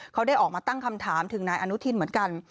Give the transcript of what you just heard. เขาได้ออกมาตั้งคำถามถึงนายอนุทินเหมือนกัน